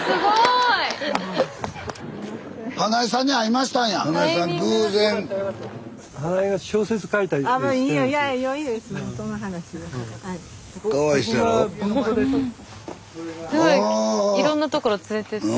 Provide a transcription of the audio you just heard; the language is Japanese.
いろんなところ連れてって。